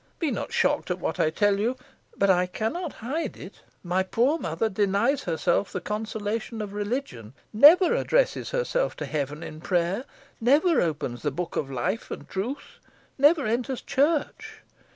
Be not shocked at what I tell you, but I cannot hide it. My poor mother denies herself the consolation of religion never addresses herself to Heaven in prayer never opens the book of Life and Truth never enters church.